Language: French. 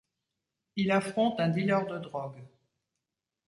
Il affronte un dealer de drogue.